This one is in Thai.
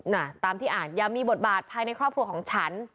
น่ะตามที่อ่านอย่ามีบทบาทภายในครอบครัวของฉัน